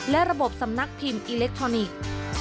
และระบบสำนักพิมพ์อิเล็กทรอนิกส์